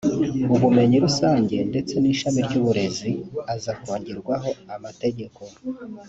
ubumenyi rusange ndetse n’ishami ry’uburezi aza kongerwaho amategeko